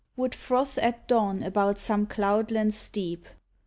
Would froth at dawn about some cloudland steep.